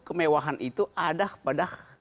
kemewahan itu adah padah